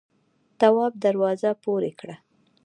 تواب دروازه پورې کړه.